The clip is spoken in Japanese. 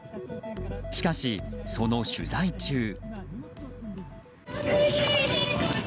しかし、その取材中。